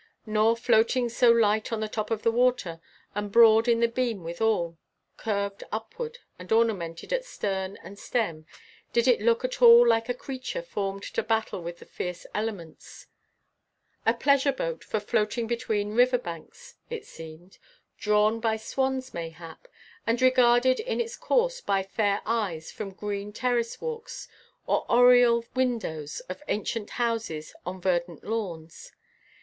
Nor, floating so light on the top of the water, and broad in the beam withal, curved upward and ornamented at stern and stem, did it look at all like a creature formed to battle with the fierce elements. A pleasure boat for floating between river banks it seemed, drawn by swans mayhap, and regarded in its course by fair eyes from green terrace walks, or oriel windows of ancient houses on verdant lawns.